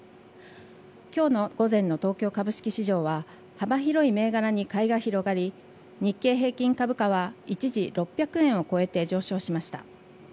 今日の午前の東京株式市場は幅広い銘柄に買いが広がり日経平均株価は一時６００円を超えて上昇しました。